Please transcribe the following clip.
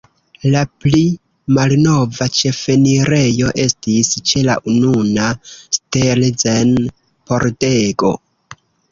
La pli malnova ĉefenirejo estis ĉe la nuna Stelzen-pordego.